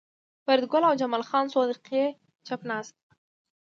فریدګل او جمال خان څو دقیقې چوپ ناست وو